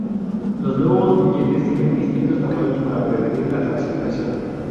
Los nuevos billetes tienen distintos tamaños para prevenir la falsificación.